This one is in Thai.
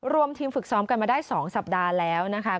รวมทีมฝึกซ้อมกันมาได้๒สัปดาห์แล้วนะคะ